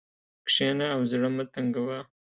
کښېنه او زړه مه تنګوه.